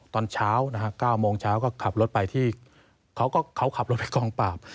ตอนเช้านะฮะ๙โมงเช้าก็ขับรถไปที่เขาขับรถไปกองปราบ